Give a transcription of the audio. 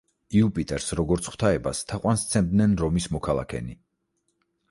იუპიტერს, როგორც ღვთაებას, თაყვანს სცემდნენ რომის მოქალაქენი.